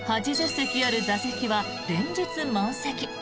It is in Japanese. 席ある座席は連日満席。